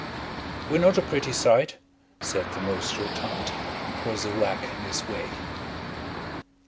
"We're not a pretty sight," said the most rotund, who was a wag in his way.